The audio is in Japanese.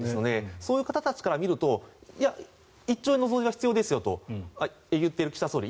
そういう方たちから見ると１兆円の増税が必要ですよと言っている岸田総理